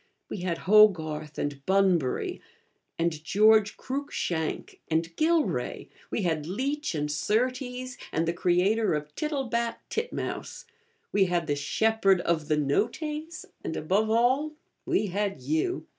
We had Ho garth, and Bunbury, and George Cruikshank, and Gilray; we had Leech and Surtees, and the creator of Tittlebat Titmouse; we had the Shepherd of the 'Noctes,' and, above all, we had you.